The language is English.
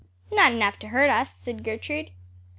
"Not enough to hurt us," said Gertrude.